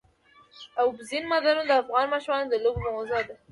اوبزین معدنونه د افغان ماشومانو د لوبو موضوع ده.